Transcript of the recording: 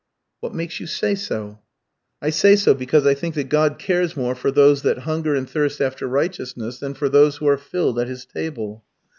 "What makes you say so?" "I say so because I think that God cares more for those that hunger and thirst after righteousness than for those who are filled at his table.